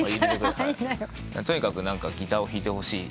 とにかくギターを弾いてほしい。